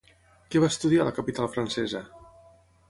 Què va a estudiar a la capital francesa?